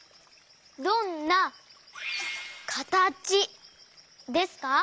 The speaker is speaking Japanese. どんなかたちですか？